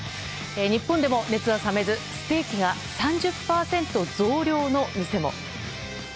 日本でも熱は冷めずステーキが３０％増量の店も。